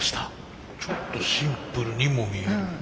ちょっとシンプルにも見える。